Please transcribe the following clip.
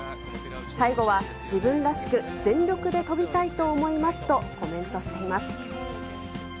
最後は自分らしく全力で飛びたいと思いますとコメントしています。